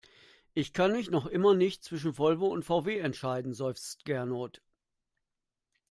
Ich kann mich noch immer nicht zwischen Volvo und VW entscheiden, seufzt Gernot.